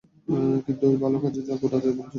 কিন্তু ঐ ভালো কাজের গোড়াতে ভুল ছিল।